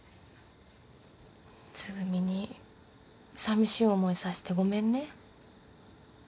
つぐみにさみしい思いさせてごめんね。